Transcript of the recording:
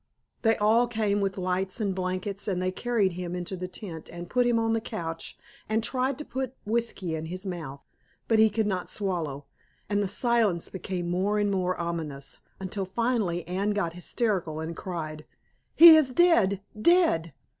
They all came with lights and blankets, and they carried him into the tent and put him on the couch and tried to put whisky in his mouth. But he could not swallow. And the silence became more and more ominous until finally Anne got hysterical and cried, "He is dead! Dead!"